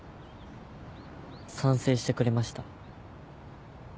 賛成してくれました。